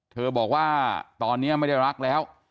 บอกว่าตอนนี้ไม่ได้รักแล้ว